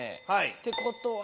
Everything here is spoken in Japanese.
ってことは。